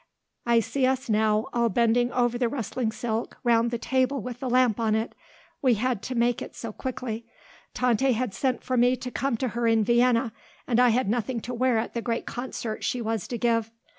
I see us now, all bending over the rustling silk, round the table with the lamp on it. We had to make it so quickly. Tante had sent for me to come to her in Vienna and I had nothing to wear at the great concert she was to give.